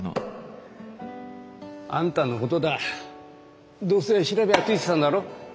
あんたのことだどうせ調べはついてたんだろ？